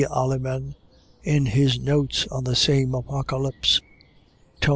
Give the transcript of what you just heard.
Alleman, in his notes on the same Apocalypse, tom.